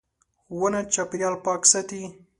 • ونه چاپېریال پاک ساتي.